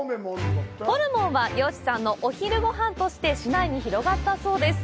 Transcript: ホルモンは漁師さんのお昼ごはんとして市内に広がったそうです。